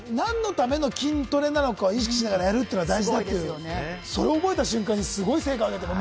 何のための筋トレなのかを意識しながらやるのが大事だという、それを覚えた瞬間、すごい成果を出しているという。